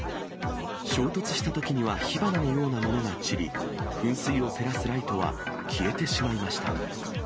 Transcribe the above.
衝突したときには火花のようなものが散り、噴水を照らすライトは消えてしまいました。